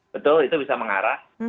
betul itu bisa mengarah